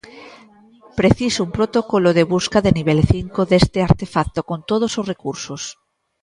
Preciso un protocolo de busca de nivel cinco deste artefacto con todos os recursos.